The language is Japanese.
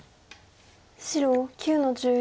白９の十四。